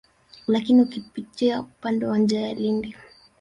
Lakini ukipitia upande wa njia ya Lindi